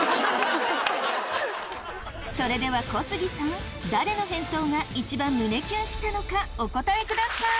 それでは小杉さん誰の返答がいちばん胸キュンしたのかお答えください。